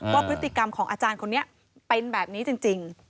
ว่าพฤติกรรมของอาจารย์คนนี้เป็นแบบนี้จริง